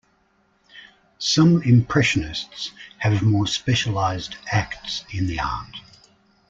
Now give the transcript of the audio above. Some impressionists have more specialized acts in the art.